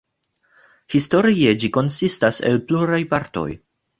Historie ĝi konsistas el pluraj partoj.